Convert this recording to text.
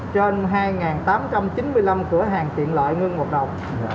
một trăm sáu mươi tám trên hai tám trăm chín mươi năm cửa hàng tiện lợi ngưng hoạt động